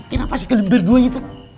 kenapa sih kalian berduanya itu